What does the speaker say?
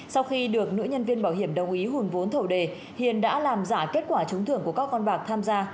sau khi được nữ nhân viên bảo hiểm đồng ý hùn vốn thầu đề hiền đã làm giả kết quả trúng thưởng của các con bạc tham gia